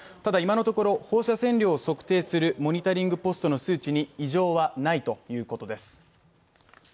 いまのところ、放射線量測定するモニタリングポストの数値に異常はないということです。